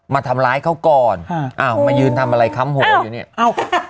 มาทำร้ายเขาก่อนอ่าอ้าวมายืนทำอะไรค้ำหัวอยู่เนี่ยเอ้า